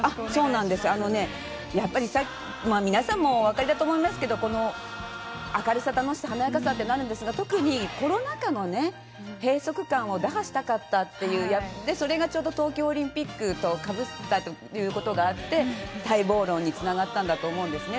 そうなんです、あのね、皆さんもお分かりだと思いますけど、この、明るさ、楽しさ、華やかさってなるんですが、特にコロナ禍のね、閉塞感を打破したかったっていう、それがちょうど東京オリンピックとかぶったということがあって、待望論につながったと思うんですね。